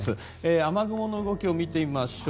雨雲の動きを見てみましょう。